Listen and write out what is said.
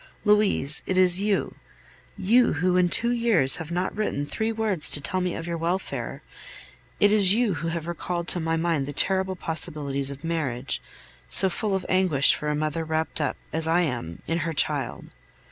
Louise, it is you you, who in two years have not written three words to tell me of your welfare it is you who have recalled to my mind the terrible possibilities of marriage, so full of anguish for a mother wrapped up, as I am, in her child.